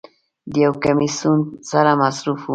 د یو کمیسون سره مصروف و.